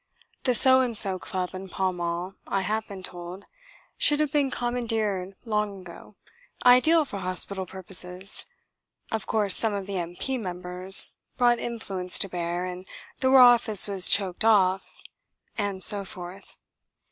"The So and So Club in Pall Mall," I have been told, "should have been commandeered long ago. Ideal for hospital purposes. Of course some of the M.P. members brought influence to bear, and the War Office was choked off...." And so forth.